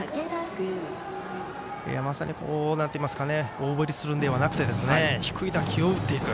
まさに大振りするのではなくて低い打球を打っていく。